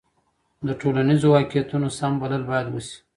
د ټولنیزو واقعیتونو سم بلل باید وسي.